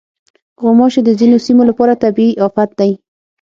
غوماشې د ځینو سیمو لپاره طبعي افت دی.